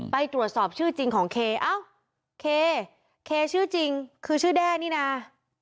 ไปตรวจสอบชื่อจริงของเคเอ้าเคเคชื่อจริงคือชื่อแด้นี่นะ